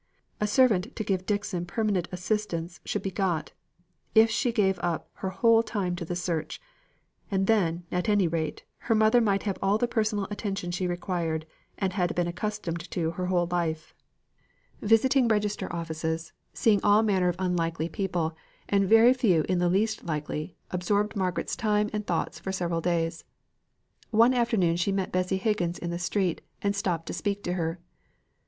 A servant to give Dixon permanent assistance should be got, if she gave up her whole time to the search; and then, at any rate, her mother might have all the personal attention she required, and had been accustomed to her whole life. Visiting register offices, seeing all manner of unlikely people, and very few in the least likely, absorbed Margaret's time and thoughts for several days. One afternoon she met Bessy Higgins in the street, and stopped to speak to her.